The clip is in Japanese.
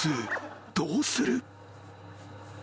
どうする？］